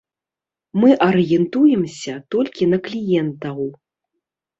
Мы арыентуемся толькі на кліентаў.